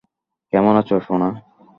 কেমন আছো, সোনা?